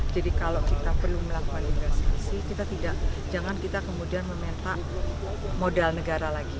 jadi kalau kita perlu melakukan investasi kita tidak jangan kita kemudian meminta modal negara lagi